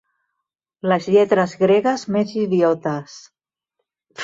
Les lletres gregues més idiotes.